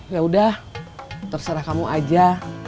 yaudah terserah kamu aja